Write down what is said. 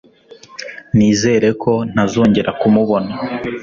Nizere ko ntazongera kumubona